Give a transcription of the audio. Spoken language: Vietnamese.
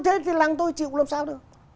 thế thì làng tôi chịu làm sao được